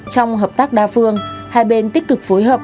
trong hợp tác đa phương hai bên tích cực phối hợp